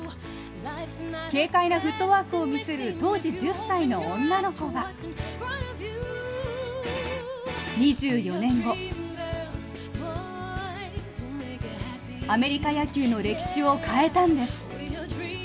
軽快なフットワークを見せる当時１０歳の女の子が２４年後、アメリカ野球の歴史を変えたんです。